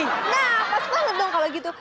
nah pas banget dong kalau gitu